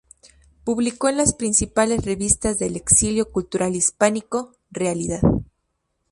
Publicó en las principales revistas del exilio cultural hispánico: "Realidad.